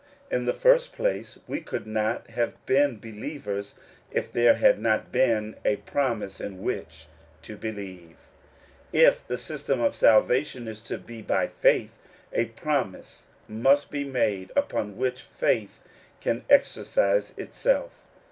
In the first place, we could not have been believers if there had not been a promise in which to believe. If the system of salvation is to be by faith, a promise must be made upon which faith can exercise itself.